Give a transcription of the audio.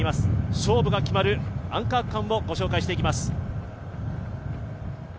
勝負が決まるアンカー区間をご紹介していきます。